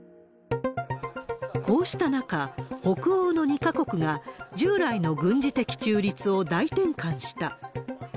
こうした中、北欧の２か国が従来の軍事的中立を大転換した。